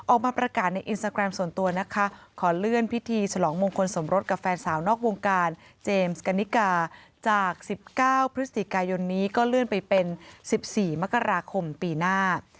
ออกมาประกาศในอินสตาแกรมส่วนตัวนะคะขอเลื่อนพิธีฉลองมงคลสมรสกับแฟนสาวนอกวงการเจมส์กันนิกาจาก๑๙พฤศจิกายนนี้ก็เลื่อนไปเป็น๑๔มกราคมปีหน้า